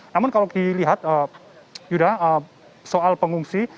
namun kalau dilihat yuda soal pengungsi